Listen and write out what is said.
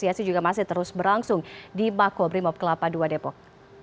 terima kasih juga masih terus berlangsung di bakobrimop kelapa dua depok